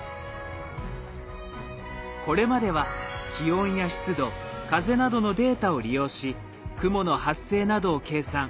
これまでは気温や湿度風などのデータを利用し雲の発生などを計算。